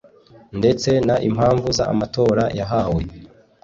ndetse n impamvu z amanota yahawe